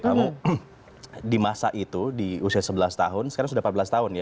kamu di masa itu di usia sebelas tahun sekarang sudah empat belas tahun ya